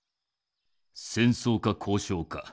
戦争か交渉か